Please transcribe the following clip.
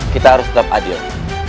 kita harus tetap adil